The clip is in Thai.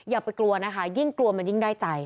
อย่าไปกลัวนะคะยิ่งกลัวมันยิ่งได้ใจ